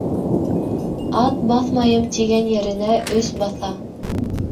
Ат баҫмайым тигән еренә өс баҫа.